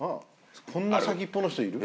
こんな先っぽの人いる？